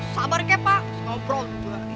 sabar kek pak